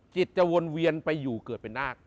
จิตจะวนเวียนไปอยู่เกิดเป็นนาค